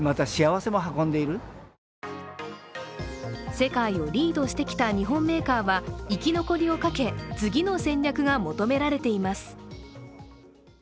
世界をリードしてきた日本メーカーは生き残りをかけ、次の戦略が求められています。